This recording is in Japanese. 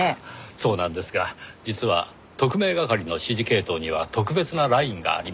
そうなんですが実は特命係の指示系統には特別なラインがありまして。